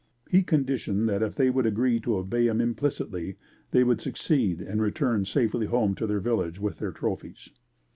He conditioned that if they would agree to obey him implicitly, they would succeed and return safely home to their village with their trophies.